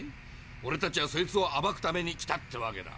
オレたちはそいつをあばくために来たってわけだ。